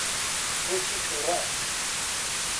بۆچی تووڕەن؟